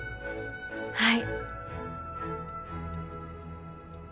はい。